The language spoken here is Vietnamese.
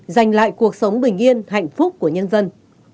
giành lại cuộc sống bình yên hạnh phúc của nhân dân